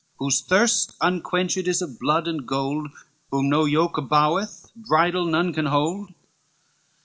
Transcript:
Whose thirst unquenched is of blood and gold, Whom no yoke boweth, bridle none can hold.